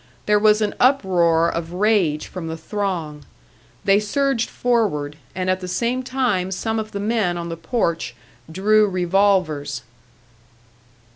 There was an uproar of rage from the throng; they surged forward, and at the same time some of the men on the porch drew revolvers.